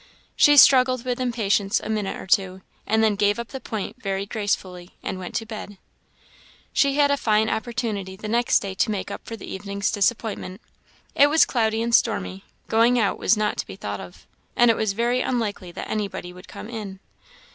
She struggled with impatience a minute or two, and then gave up the point very gracefully, and went to bed. She had a fine opportunity the next day to make up for the evening's disappointment. It was cloudy and stormy; going out was not to be thought of, and it was very unlikely that anybody would come in.